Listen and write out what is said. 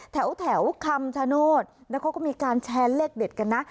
แถวคำชโนธแล้วเขาก็มีการแชร์เลขเด็ดกันนะ